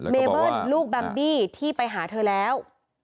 เบเบิ้ลลูกแบมบี้ที่ไปหาเธอแล้ว